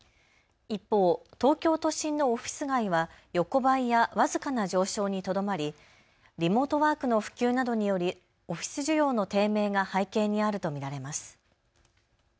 一方、東京都心のオフィス街は横ばいや僅かな上昇にとどまりリモートワークの普及などによりオフィス需要の低迷が背景にあると見られます。